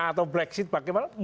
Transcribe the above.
atau brexit bagaimana